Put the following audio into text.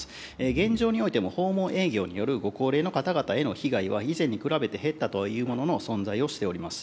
現状においても訪問営業によるご高齢の方々への被害は以前に比べて減ったとはいうものの、存在をしております。